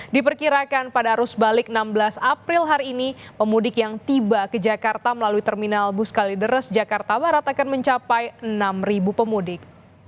diperkirakan pada arus balik enam belas april hari ini pemudik yang tiba ke jakarta melalui terminal bus kalideres jakarta barat akan mencapai enam pemudik